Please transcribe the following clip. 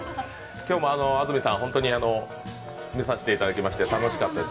今日も安住さん、本当に見させていただきまして楽しかったです。